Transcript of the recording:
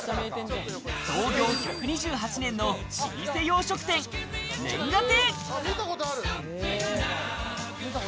創業１２８年の老舗洋食店、煉瓦亭。